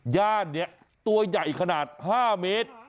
ย่านนี้ตัวใหญ่ขนาด๕เมตร